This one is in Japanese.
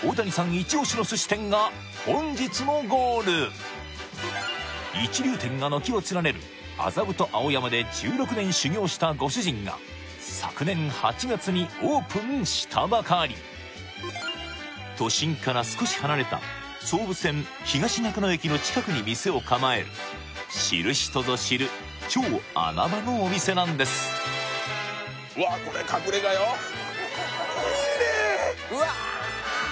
イチオシの寿司店が本日のゴール一流店が軒を連ねる麻布と青山で１６年修業したご主人が昨年８月にオープンしたばかり都心から少し離れた総武線・東中野駅の近くに店を構える知る人ぞ知る超穴場のお店なんですうわうわ